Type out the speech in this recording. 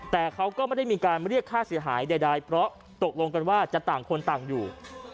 แต่เขาก็ไม่ได้มีการเรียกค่าเสียหายใดเพราะตกลงกันว่าจะต่างคนต่างอยู่